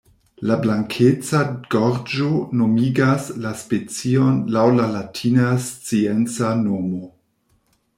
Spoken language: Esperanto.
La blankeca gorĝo nomigas la specion laŭ la latina scienca nomo.